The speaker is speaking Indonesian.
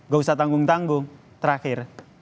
gak usah tanggung tanggung terakhir